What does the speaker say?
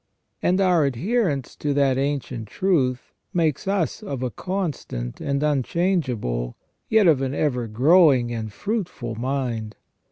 And our adherence to that ancient truth makes us of a constant and unchangeable, yet of an ever growing and fruitful mind.